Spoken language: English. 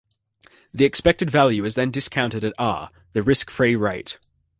The expected value is then discounted at r, the risk-free rate.